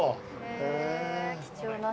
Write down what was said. へえ貴重な写真。